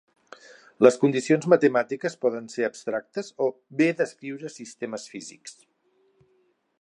Les condicions matemàtiques poden ser abstractes o bé descriure sistemes físics.